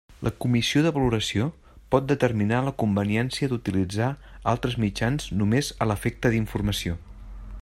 La comissió de valoració pot determinar la conveniència d'utilitzar altres mitjans només a l'efecte d'informació.